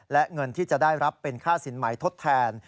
และเงินที่จะได้รับเป็นค่าสินใหม่ทดแทน